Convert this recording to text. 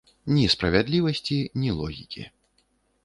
Ні справядлівасці, ні логікі.